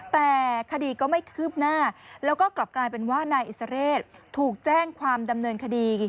แต่คดีก็ไม่คืบหน้าแล้วก็กลับกลายเป็นว่านายอิสระเรศถูกแจ้งความดำเนินคดี